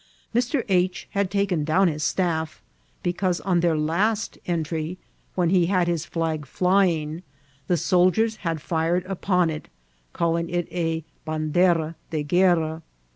Mr. H. had taken down his staff, because on their last entry, when he had his flag flying, the soldiers had fired upon it, calling it a bandera de guerra.